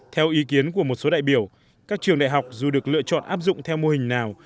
theo ý kiến của một số đại biểu các trường đại học dù được lựa chọn áp dụng theo mô hình nào